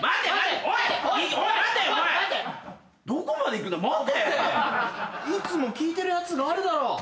いつも聞いてるやつがあるだろう。